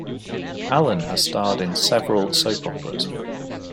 Allan has starred in several soap operas.